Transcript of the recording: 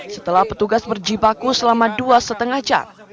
setelah petugas berjibaku selama dua lima jam